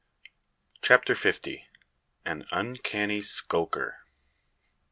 CHAPTER FIFTY. AN UNCANNY SKULKER.